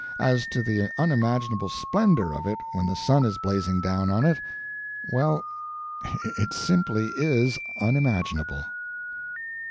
As to the unimaginable splendor of it when the sun is blazing down on it well, it simply IS unimaginable.